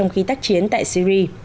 khi tác chiến tại syri